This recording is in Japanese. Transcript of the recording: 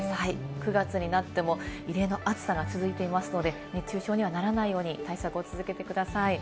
９月になっても、異例の暑さが続いていますので、熱中症にはならないように対策を続けてください。